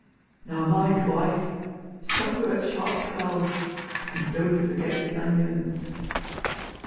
Now mind, wife, supper at sharp twelve, and don't forget the onions!"